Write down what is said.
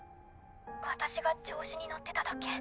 私が調子に乗ってただけ。